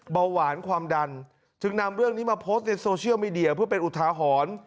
เบาหวานความดันจึงนำเรื่องนี้มาโพสต์ในโซเชียลมีเดียเพื่อเป็นอุทาหรณ์